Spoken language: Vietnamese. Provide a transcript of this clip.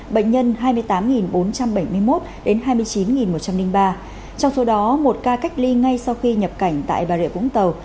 bệnh nhân hai mươi tám bốn trăm bảy mươi một đến hai mươi chín một trăm linh ba trong số đó một ca cách ly ngay sau khi nhập cảnh tại bà rịa vũng tàu